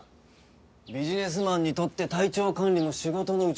ビジネスマンにとって体調管理も仕事のうちだ。